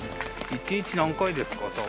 一日何回ですか？